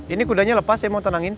ini kudanya lepas saya mau tenangin